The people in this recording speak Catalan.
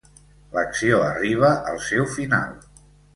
L'acció arriba al seu final.